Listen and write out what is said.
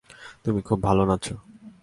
তুমি খুব ভালো নাচো।